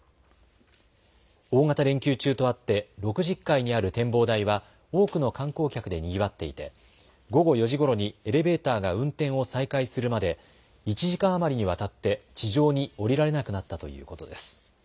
大型連休中とあって６０階にある展望台は多くの観光客でにぎわっていて午後４時ごろにエレベーターが運転を再開するまで１時間余りにわたって地上に降りられなくなったということです。